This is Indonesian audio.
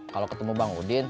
kalau ketemu bang udin